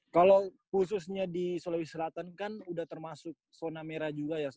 kalau khususnya di sulawesi selatan kan sudah termasuk zona merah juga ya